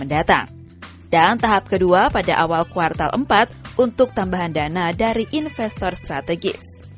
dan tahap kedua pada awal kuartal empat untuk tambahan dana dari investor strategis